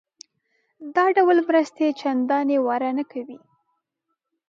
دا ډول مرستې چندانې واره نه کوي.